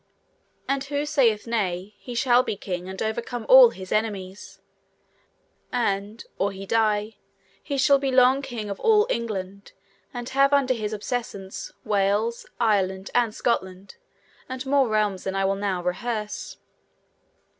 And who saith nay, he shall be king and overcome all his enemies; and, or he die, he shall be long king of all England, and have under his obeissance Wales, Ireland, and Scotland, and more realms than I will now rehearse.